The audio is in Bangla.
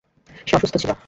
সে অসুস্থ ছিল।